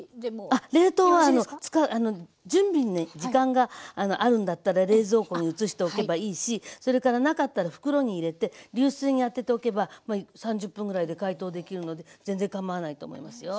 あっ冷凍は準備にね時間があるんだったら冷蔵庫に移しておけばいいしそれからなかったら袋に入れて流水に当てておけば３０分ぐらいで解凍できるので全然かまわないと思いますよ。